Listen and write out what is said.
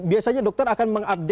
biasanya dokter akan mengupdate